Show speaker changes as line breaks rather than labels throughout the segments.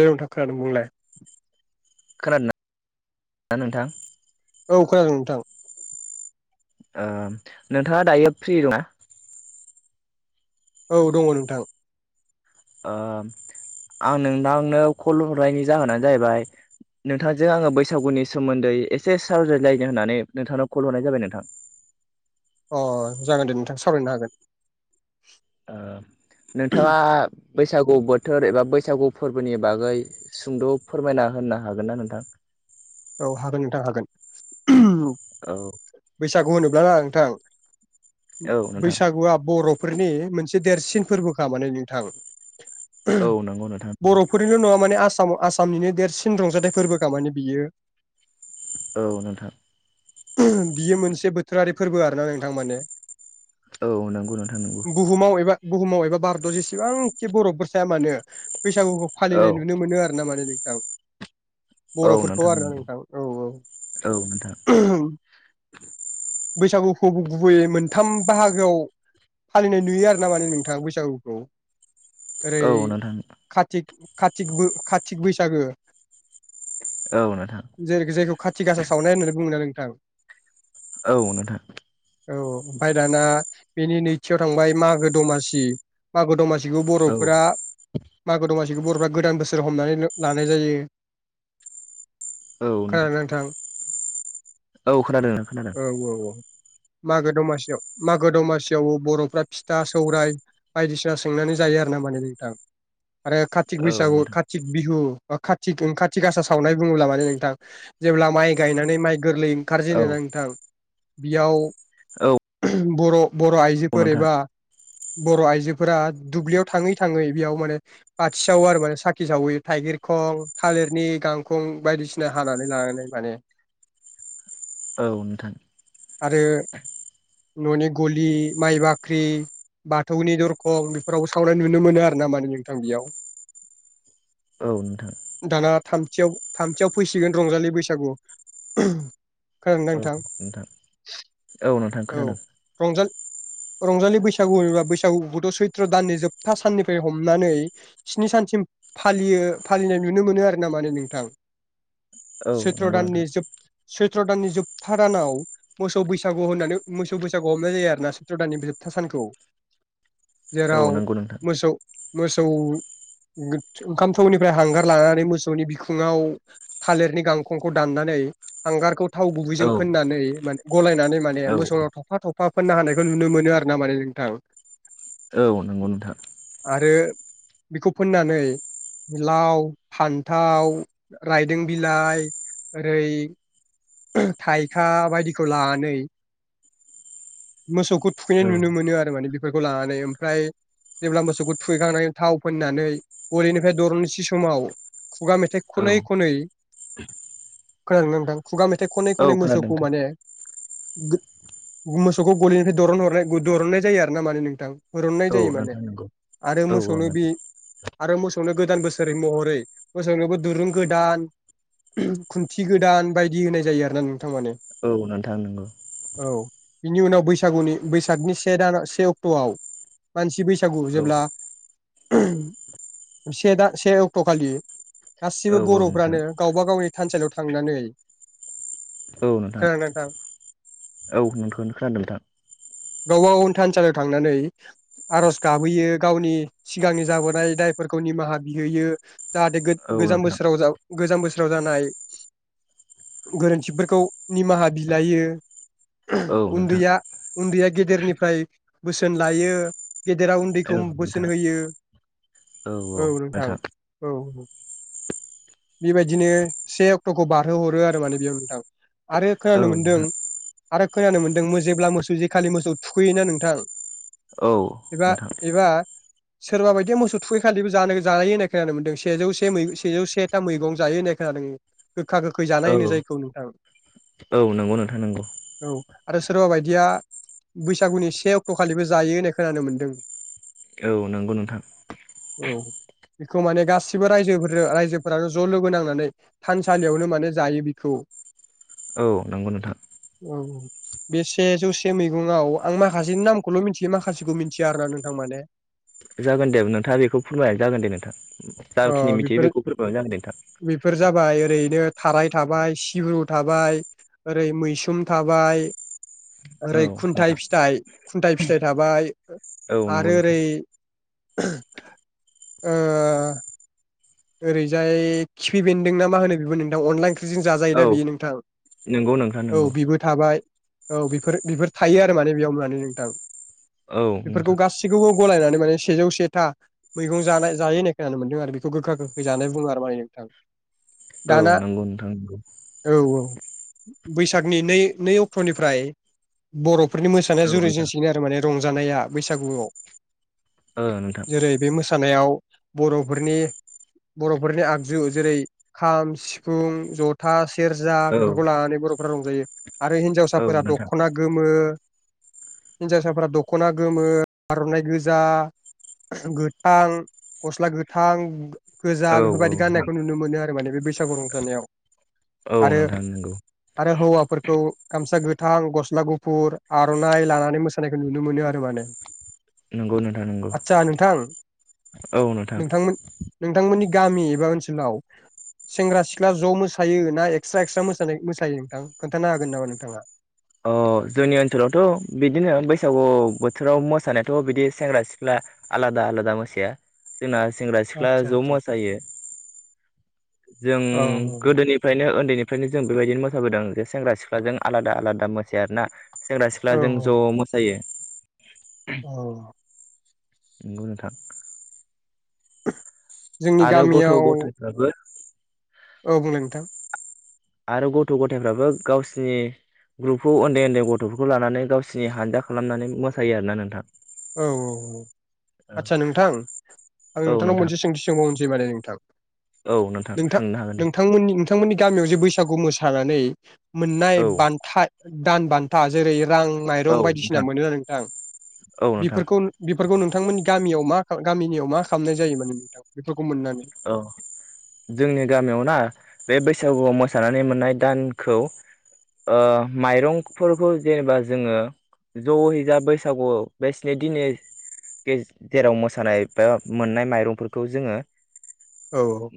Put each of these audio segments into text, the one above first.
औ नोंथां खोनादों बुंलाय।
खोनादों ना नोंथां?
औ खोनादों नोंथां।
ओ नोंथाङा दायो फ्रि ना?
औ दङ नोंथां।
ओ आं नोंथांनो कल हरनायनि जाहोनानो जाहैबाय नोंथांजों आङो बैसागुनि सोमोन्दै एसे सावरायलायनो होननानै नोंथांनाव कल हरनाय जाबाय नोंथां। [inaudible]
अ जागोन दे नोंथां सावरायनो हागोन।
ओ नोंथाङा बैसागु बोथोर एबा बैसागु फोरबोनि बागै सुंद' फोरमायना होनो हागोन ना नोंथां? [inaudible]
औ हागोन नोंथां हागोन।
औ
बैसागु होनोब्ला ना नोंथां
औ नोंथां
बैसागुआ बर'फोरनि मोनसे देरसिन फोरबोखा माने नोंथां।
औ नंगौ नोंथां
बर'फोरनिल' नङा माने आ साम आसामनिनो देरसिन रंजाथाइ फोरबोखा माने बेयो।
औ नोंथां।
बियो मोनसे बोथोरारि फोरबो आरोना नोंथां माने।
औ नंगौ नोंथां नंगौ।
बुहुमाव एबा बुहुमाव एबा भारताव जेसेबांखि बर'फोर थाया मानो बैसागुखौ
औ
फालिनाय नुनो मोनो आरोना माने नोंथां,
औ
बर'फोर खौ आरोना
नंगौ
नोंथां औ औ।
औ नोंथां
बैसागुखौ गुबैयै मोनथाम बाहागोआव फालिनाय नुयो आरोना माने नोंथां बैसागुखौ। ओरै
औ नोंथां
कातिक कातिकबो कातिक बैसागो
औ नोंथां
जेरै जायखौ खाथि गासा सावनाय होननानै बुङो ना नोंथां।
औ नोंथां।
औ ओमफ्राय दाना बेनि नैथियाव थांबाय मागो दमासि मागो दमासि खौ
औ
बर'फोरा मागो दमासि खौ बर'फोरा गोदान बोसोर हमनानै लानाय जायो।
औ
खोनादों ना नोंथां?
औ खोनादों ओ खोनादों।
औ औ औ मागो दमासियाव मागो दमासियाव बर'फ्रा फिथा सौराय बायदिसिना सोंनानै जायो आरो ना माने नोंथां आरो कातिक
औ
बैसागु
नोंथां
कातिक बिहु ओ कातिक काति गासा सावनाय बुङोब्ला मानोे नोंथां जेब्ला माइ गायनानै माइ गोरलै
औ
ओंखारजेनो ना नोंथां बियाव
औ।
बर' बर'
औ
आइजोफोर
नोंथां
एबा बर' आइजो फोरा दुब्लियाव थाङै थाङै बेयाव माने बाथि सावो आरो माने साखि सावहैयो थाइगिर खं, थालिर नि गांखं बायदिसिना हानानै लानानै माने
औ नोंथां।
आरो न'नि गलि माइ बाख्रि बाथौनि दरखं बेफोरावबो सावनाय नुनो मोनो आरो ना माने नोंथां बेयाव।
औ नोंथां
दाना थामथियाव थामथियाव फैसिगोन रंजालि बैसागु।
औ नोंथां औ नोंथां खोनोनादों।
रंजा रंजालि बैसागुबा बैसागुखौथ' सैत्र' दाननि जोबथा साननिफ्राय हमनानै स्नि सानसिम फालियो फालिनाय नुनो मोनो आरो ना माने नोंथां
औ
सैत्र
नंगौ नोंथां
दाननि जोब सैत्र' दाननि जोबथा दानाव मोसौ बैसागु होननानै मोसौ बैसागु हमनाय जायो आरो ना सैत्र दाननि सानखौ।
[inaudible] औ
जेराव
नंगौ नोंथां
मोसौ मोसौ ओंखाम थौनिफ्राय हांगार लानानै मोसौनि बिखुङाव थालिरनि गांखंखौ दाननानै हांगारखौ थाव
औ
गुबैजों फोननानै माने गलायनानै माने
औ
मोसौनाव थफा थफा फोननो हानायखौ नुनो मोनो आरो ना माने नोंथां।
औ नंगौ नोंथां।
आरो बेखौ फोननानै लाव फान्थाव रायदों बिलाइ ओरै थाइखा बायदिखौ लानानै मोसौखौ थुखैनाय
औ
नुनो मोनो आरो माने बेफोरखौ लानानै ओमफ्राय जेब्ला मोसौखौ थुैखांनानै थाव फोननानै गलिनिफ्राय दरननिसे समाव खुगा मेथाइ
औ
खनै खनै खोनादोंना नोंथां खुगा मेथाइ खनै
औ
खनै
खोनादों
मोसौखौ
नोंथां
माने मोसौखौ गलिनिफ्राय दन हरनाय दरननाय जायो आरो ना माने नोंथां। हुरुननाय
औ
जायो माने
नोंथां नंगौ
आरो
औ औ
मोसौनो बे
नोंथां
आरो मोसौनो गोदान बोसोर महरै मोसौनोबो दुरुं गोदान खुन्थि गोदान बायदि होनाय जायो आरोना नोंथां माने।
औ नोंथां नंगौ।
औ बिनि उनाव बैसागुनि बैसागनि से दान से अक्ट'आव मानसि बैसा गु
औ
जेब्ला से दा से अक्ट'खालि
औ
गासिबो
औ नोंथां
बर'फ्रानो गावबा गावनि थानसालियाव थांनानै
औ नोंथां औ नोंखौनो खोनादों नोंथां
गावबा गाव थानसालियाव थांनानै आर'ज गाबहोयो गावनि सिगांनि जाबोनाय दाय फोरखौ निमाहा बिहैयो जाहाथे
औ
गो-गोजाम
नोंथां
बोसोराव गोजाम बोसोर आव जानाय गोरोन्थिफोरखौ निमाहा बिलायो।
औ नोंथां
उन्दैया उन्दैया गेदेरनिफ्राय बोसोन लायो । गेदेरा
औ
उन्दैखौ
नोंथां
बोसोन होयो औ नोंथां औ औ बेबायदिनो से अक्ट'खौ बारहो हरो आरो माने बेयाव नोंथां। आरो
औ
खोनानो मोनदों
नोंथां
आरो खोनानो मोन्दों जेब्ला मोसौ जे खालि मोसौ थुखैयोना नोंथां
औ
एबा
नोंथां
एबा सोरबा बायदिया मोसौ थुखैखालिबो जानो जायो होननाय खोनानो मोनदों सेजौ से सेै सेजौ सेथा मैगं जायो होननाय खोनादों। गोखा गोखै जानाय
औ
होनो जायखौ नोंथां।
औ नंगौ नोंथां नंगौ
औ। आरो सोरबा बायदिया बैसागुनि से अक्ट'खालिबो जायो होननाय खोनानो मोन्दों।
नोंगौ नोंथां।
औ बेखौ माने गासिबो राय जोफोरा रायजोफोरानो ज' लोगो नांनानै थानसालियावनो माने जायो बेखौ।
नांगौ नोंथां।
औ। बे सेजौसे मैगंयाव आं माखासेनि नामखौल' मिथियो माखासेखौ मिथिया आरोना नोंथां माने।
जागोन दे नोंथाङा बेखौ फोरमायानो जागोन दे नोंथां जाखिनि मिथियो बेखौ फोरमायबानो जागोन दे नोंथां।
फोर जाबाय ओरैनो थाराय थाबाय, सिब्रु थाबाय ओरै मैसोम थाबाय ओरै खुन्थाइ
नोंथां
फिथाइ खुन्थाइ फिथाइ थाबाय।
औ
आरो
नोंथां
ओरै ओ ओरैजाय खिफि बेन्दों ना मा होनो बेबो नोंथां अनला इंख्रिजों जाजायो ना
औ
बियो नोंथां।
नंगौ नोंथां नंगौ नोंथां
औ
नंगौ
बिबो थाबाय औ बिफोर बिफोर थायो आरो माने बेयाव होनानै नोंथां
औ
बेफोरखौ
नोंथां
गासिखौबो गलायनानै माने सेजौ सेथा मैगं जानाय जायो होननाय खोनानो मोनदों आरो बेखौ गोखा गोखै [unintelligible] माने नोंथां
औ
दाना
नंगौ नोंथां नंगौ
औ औ। बैसागनि नै नै अक्ट'निफ्राय बर' फोरनि मोसानाया
औ नोंथां
जुरिजेननसिगोन आरो माने रंजानाया बैसागुआव।
ओ नोंथां।
जेरै बे मोसानायाव बर'फोरनि बर'फोरनि आगजु जेरै खाम, सिफुं, 'जथा सेरजा
औ
बेफोरखौ लानानै बर'फोरा रंजायो आरो
औ
हिनजावसाफोरा
नोंथां
दख'ना गोमो हिनजावसाफोरा दख'ना गोमो आर'नाइ गोजा गोथां गस्ला गोथां गोजा
औ
बेफोरबायदि
नोंथां
गान्नायखौ नुनो मोनो आरो माने बे बैसागु रंजानायाव।
औ नोंथां नंगौ।
फोरखौ गामसा गोथां, गस्ला गुफुर, आर'नाइ लानानै मोसानायखौ नुनो मोनो आरो माने।
नंगौ नोंथां नंगौ
[inaudible] आदसा नोंथां
औ नोंथां
नोंथांमोन नोंथांमोननि गामि एबा ओनसोलाव सेंग्रा सिख्ला ज' मोसायो ना एक्सट्रा एक्सट्रा मोसानायखौ मोसायो नोंथां खोन्थानो हागोन नामा नोंथाङा?
औ। अ जोंनि ओनसोलावथ' बिदिनो बैसागु बोथोराव मोसानायाथ' बिदि सेंग्रा सिख्ला आलादा लादा आलादा मोसाया जोंना सेंग्रा सिख्ला
आतसा
ज'
आतसा
मोसायो जों
औ
गोदोनिफ्रायनो उन्दैनि फ्रायनो जों बेबायदिनो मोसाबोदों जे सेंग्रा सिख्लाजों आलादा आलादा मोसाया आरोना। सेंग्रा
औ
सिख्लाजों
औ
ज' मोसायो।
औ।
नोंगौ नोंथां।
जोंनि
आरो गथ'
गामियाव
ग'थाइफ्राबो
औ बुंलाय नोंथां।
आरो गथ' गथायफ्राबो गावसिनि ग्रुपखौ उन्दै उन्दै गथ'फोरखौ लानानै गावसिनि हानजा खालामनानै मोसायो आरोना नोंथां।
औ औ आदसा नोंथां आं
औ
नोंथांनाव
नोंथां
मोनसे सोंथि सोंबावनोसै माने नोंथां।
औ नोंथां
नोंथा
सोंनो हागोन दे
नोंथांमोननि ओनसो थांमोननि गामियाव जे बैसागु मोसानानै मोननाय
औ
बान्था दान बान्था जेरै रां
औ
माइरं बायदिसिना
नोंथां
मोनो आरो नोंथां
औ नोंथां
बिफोरखौ बिफोरखौ नोंथांमोन गामियाव मा खाला गामिनियाव मा खामनाय जायो माने नोंथां बेख
औ जोंनि गामियाव ना बे बै सागुआव मोसानानै मोननाय दानखौ ओ माइरंफोरखौ जेनेबा जोङो ज'हैजा बैसागु [unintelligible] दिने । जे-जेराव मोसानाय बा मोननाय माइरंफोरखौ जोङो
औ औ।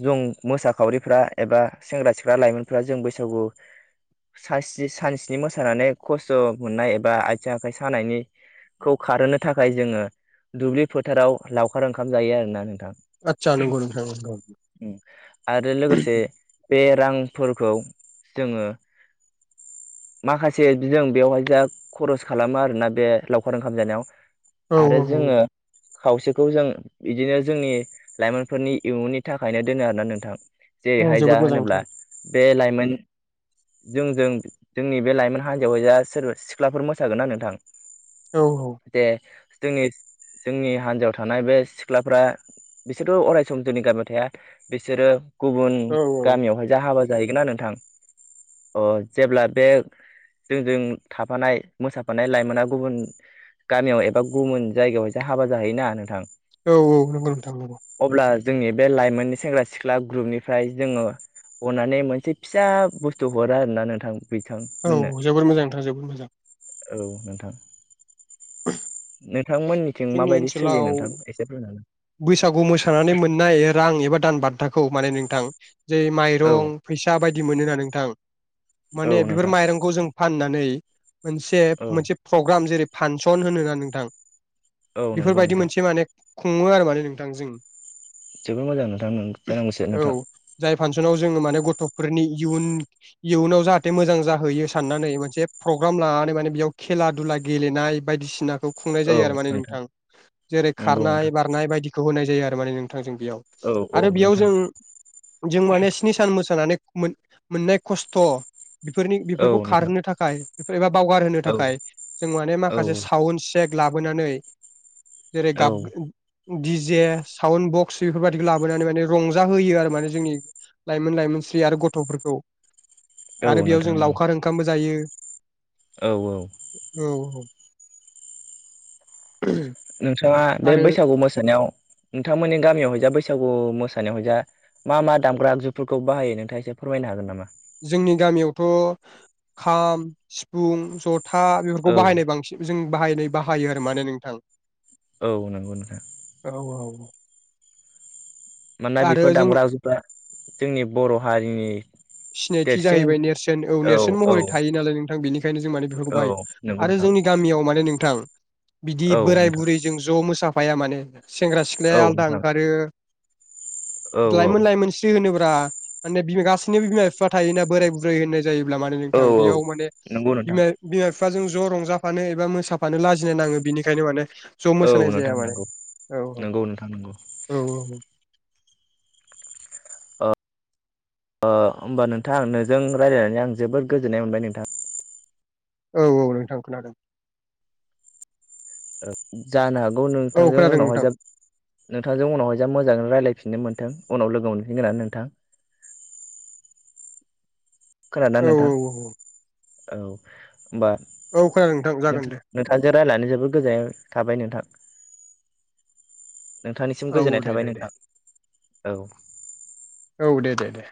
जों मोसाखावरिफ्रा एबा सेंग्रा सिख्ला लाइमोनफ्रा जों बैसागु सास्रि सानस्नि मोसानानै खस्थ' मोननाय एबा आयथिं आखाइ सानायनि खौ खारहोनो थाखाय जोङो दुब्लि फोथाराव लावखार ओंखाम जायो आरोना नोंथां।
आतसा नोंगौ नोंथां नोंगौ।
आरो लोगोसे बे रांफोरखौ जोङो माखासे जों बेवहाय जा खरस खालामो आरोना बे लावखार ओंखाम जानायाव
औ
आरो जोङो खावसेखौ जों बिदिनो जोंनि लाइमोनफोरनि इयुननि थाखायनो दोनो आरोना नोंथां
औ औ
जेरैहाय जा
जोबोद मोजां
होनोब्ला
नोंथां
बे लाइमोन जोंजों जोंनि बे लाइमोन हान्जायावहाय जा सोरबा सिख्लाफोर मोसागोना नोंथां
औ
[unintelligible] जोंनि जोंनि हान्जायाव थानाय बे सिख्लाफ्रा बिसोरथ' अरायस जोंनि गामियाव थाया बिसोरो गुबुन
औ
गामियावहाय जा हाबा जाहैगोना नोंथां अ जेब्ला बे जोंजों थाफानाय मोसाफानाय लाइमोना गुबुन गामियाव एबा गुबुन जायगायावहायसो हाबा जाहैयोना नोंथां
औ औ नंगौ नोंथां
अब्ला जोंनि बे लाइमोननि सेंग्रा सिख्ला ग्रुपनिफ्राय जोङो अनानै मोनसे फिसा बुस्थु हरा आर ना नोंथां बिथांमोननो
औ जोबोर मोजां नोंथां जोबोर मोजां
औ नोंथां
ब
नोंथांमोननिथिं माबायदि सोलियो नोंथां एसे बुंनानै
बैसागु खोथाखौ माने नोंथां जेर
औ
माइरं फैसा बायदि मोनो ना नोंथां
औ
माने बेफोर
नोंथां
माइरंखौ जों फाननानै मोनसे
औ
मोनसे प्रग्राम जेरै फानसन होनोना नोंथां
औ नंगौ
बेफोरबायदि
नोंथां
मोनसे माने सुङो आरो माने नोंथांजोंों
जोबोर मोजां नोंथांमोन जानांगौस नोंथां
जाय फांसनाव जोङो माने गथ'फोरनिुन इयुनाव जाहाथे मोजां जाहैयो साननानै मोनसे प्रग्राम लानानै माने बेयाव खेला दुला गेलेनाय बायदिसिनाखौ खुंनाय जायो आरो माने नोंथां जेरै
नंगौ
खारनाय
नोंथां
बारनाय बायदिखौ होनाय जायो आरो माने नोंथ याव
औ औ
आरो बेयाव
नोंथां
जों जों माने स्नि सान मोसानानै मोननाय खस्थ' बेफोरनि
औ
बेफोरखौ
नोंथां
खारहोनो थाखाय एबा बावगारहोनो
औ
थाखाय जों माने
औ
माखासे साावन् सेक लाबोनानै जेरै
औ
गाब दिडिजे साउन्ड बक्स बेफोरबायादिखौ लाबोनानै माने रंजा होोयो आरो माने जोंनि लाइमोन लाइमोनस्रि आरो गथ'फोरखौ
औ
आरो बेयाव
नोंथां
जों
औ
लावखार ओंखामबो जायो
औ औ
औ औ
नोंथाङा बे
आरो
बैसागु मोसानायाव नोंथांमोननि गामियावहयजा बैसागु मोसानायाव हयजा मा मा दामग्रा आगजुफोरखौ बाहायो नोंथाङा एसे फोरमायनो हागोन नामा
जोंनि गामियावथ' खाम सिफुं जथ था बेफोरखौ
औ
बाहायनाय बांसिन जों बाहायनाय बाहायो आरो माने नोंथां
औ नंगौ नोंथां ।
औ औ
मानोना
आरो
बेफोर
जोंनि
दामग्रा आजुफ्रा जोंनि बर' हारिनि
सिनायथि
देरसिन
जाहैबाय नेरसोन औ नेरसोन महरै थायो नालाय नोंथां बेनिखायनो जों माने बेफोरखौ
औ
बाहायो
नंगौ
आरो जों
नोंथां
जोंनि गामियाव माने नोंथां बिदि
औ
बोराय
नोंथां
बुरै जों ज' मोसाफाया माने सेंग्रा सिख्लाया
औ
आलादा
नोंथां
ओंखारो
औ औ
लाइमोन लाइमोनस्रि होनोब्रा माने बि गासैनिबो बिमा बिफा थायोना बोराय बुरै होनो जायोब्ला म
औ
नोंथां
औ
बेयाव मान
नंगौ नोंथां
बिफाजों ज' रंजाफानो एबा मोसाफानो लाजिनाय नाङो बिनिखायनो माने ज'
औ
मोसानाय जाया
नोंथां
माने
नंगौ
औ
नंगौ नोंथां नंगौ
औ औ
अ होमबा नोंथां नोंजों रालायनानै आं जोबोद गोजोननाय मोनबाय नोंथां
औ औ नोंथां खोनादों।
ओ जानो हागौ
औ
नोंथांजों
खोनादों
उनावहाय
नोंथां
जा नोंथांजों उनावहाय जा मोजां रायलायफिननो मोन्थों उनाव लोगो मोनफिनगोन होननानै नोंथां। खोनादोंना
औ
नोंथां
औ औ।
औ होमबा
औ खोनादों जागोन
नोंथां
दे
नोंथांजों रायलायनानै जोबोद गोजाननाय थाबाय नोंथां। नोंथांनिसिम
औ औ
गोजोननाय
दे
थाबाय
दे दे
नोंथां औ।
औ दे दे दे।